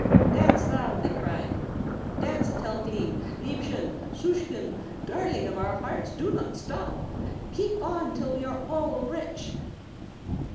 "Dance thou!" they cried. "Dance, Etelklein, liebchen, susschen, darling of our hearts, do not stop! Keep on till we are all rich."